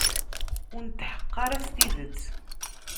Ur netḥeqq ara s tidet.